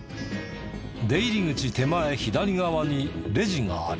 出入り口手前左側にレジがある。